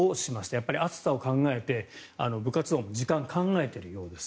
やっぱり暑さを考えて部活動の時間も考えているようです。